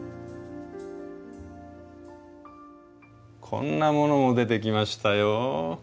こんなものも出てきましたよ。